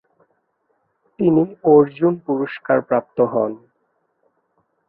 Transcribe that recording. তিনি অর্জুন পুরস্কার প্রাপ্ত হন।